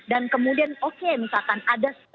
dan kemudian oke misalkan ada struktur